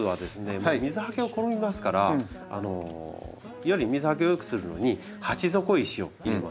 水はけを好みますからより水はけを良くするのに鉢底石を入れます。